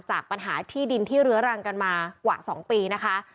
จากปัญหาที่ดินที่เรื้อรังกันมากว่า๒ปีนะคะ